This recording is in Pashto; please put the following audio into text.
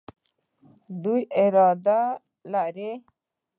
دوی رادار لري.